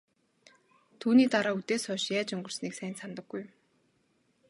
Түүний дараа үдээс хойш яаж өнгөрснийг сайн санадаггүй юм.